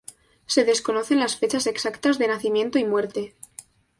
Se desconocen las fechas exactas de nacimiento y muerte.